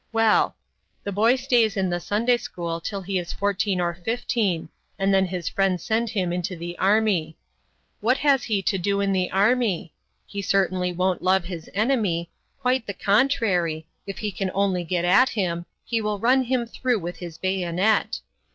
Well. The boy stays in the Sunday school till he is fourteen or fifteen, and then his friends send him into the army. What has he to do in the army? He certainly won't love his enemy; quite the contrary, if he can only get at him, he will run him through with his bayonet.